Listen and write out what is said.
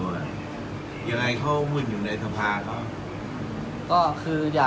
วันที่เริ่มลายยกนี่มันมันจะวุ่นวานเนี่ยค่ะ